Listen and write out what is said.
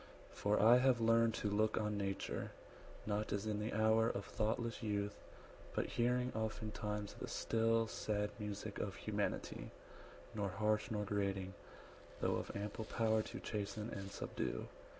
For I have learned To look on nature, not as in the hour Of thoughtless youth; but hearing oftentimes 90 The still, sad music of humanity, Nor harsh nor grating, though of ample power To chasten and subdue.